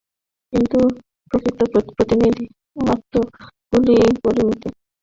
কিন্তু প্রকৃতি পরিণামী এবং আত্মাগুলিও পরিণামী।